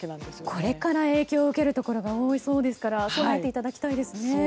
これから影響を受けるところが多そうですから備えていただきたいですね。